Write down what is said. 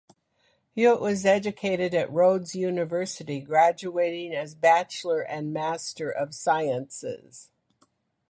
Hewitt was educated at Rhodes University graduating as Bachelor and Master of Sciences.